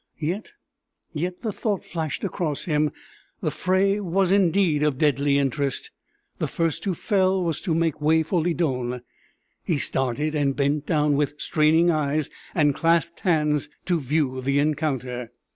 Yet, yet, the thought flashed across him the fray was indeed of deadly interest the first who fell was to make way for Lydon! He started, and bent down, with straining eyes and clasped hands, to view the encounter.